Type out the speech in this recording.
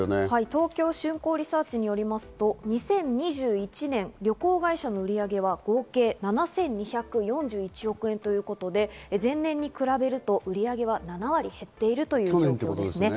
東京商工リサーチによりますと、２０２１年旅行会社の売り上げは合計７２４１億円ということで、前年に比べると売上は７割減っているということですね。